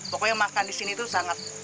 pokoknya makan di sini tuh sangat top lahir batin